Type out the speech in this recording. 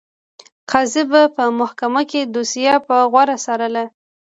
قاضي به په محکمه کې دوسیه په غور څارله.